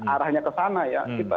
arahnya ke sana ya